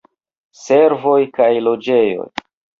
Servoj kaj loĝejoj.